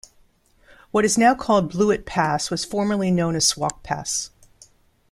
What is now called Blewett Pass was formerly known as Swauk Pass.